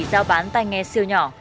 giao bán tay nghe siêu nhỏ